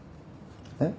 えっ？